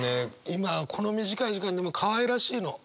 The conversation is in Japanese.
今この短い時間でもかわいらしいの。